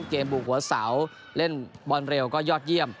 บุกหัวเสาเล่นบอลเร็วก็ยอดเยี่ยม